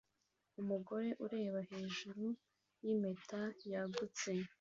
Umugore ureba hejuru yimpeta yagutse